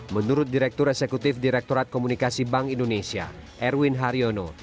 menurut direktur eksekutif direkturat komunikasi bank indonesia erwin haryono